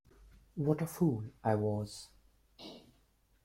What a fool I was!